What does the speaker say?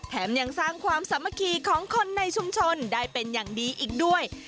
ยังสร้างความสามัคคีของคนในชุมชนได้เป็นอย่างดีอีกด้วย